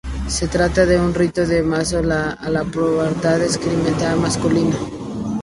Se trata de un rito de paso a la pubertad, estrictamente masculino.